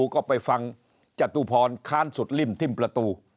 ก็ไปฟังจตุพรค้านสุดริ่มทิ้มประตู